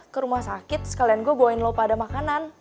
ke rumah sakit sekalian gue bawa lo pada makanan